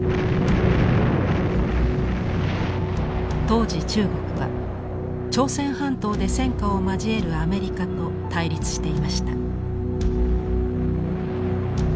当時中国は朝鮮半島で戦火を交えるアメリカと対立していました。